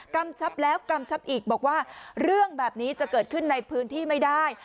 กำชับแล้วกำชับอีกบอกว่าเรื่องแบบนี้จะเกิดขึ้นในพื้นที่ไม่ได้